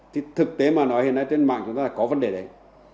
thì thực tế mà nói hiện nay trên mạng chúng ta có vấn đề đấy